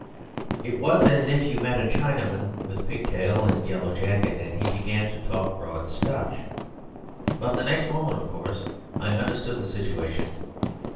It was as if you met a Chinaman, with pigtail and yellow jacket, and he began to talk broad Scotch. But the next moment, of course, I understood the situation.